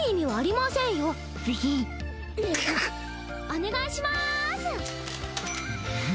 お願いします！